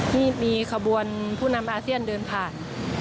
นี่มีขบวนผู้นำอาเซียนเดินผ่าน